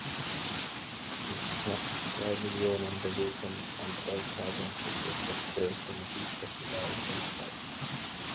Mit knapp drei Millionen Besuchen an drei Tagen ist es das größte Musikfestival weltweit.